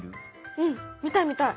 うん見たい見たい！